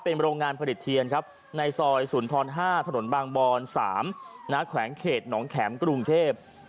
เป็นโรงงานผลิตเทียนครับในซอยสุนทร๕ถนนบางบอน๓แขวงเขตหนองแข็มกรุงเทพ